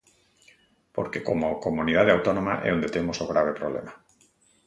Porque como comunidade autónoma é onde temos o grave problema.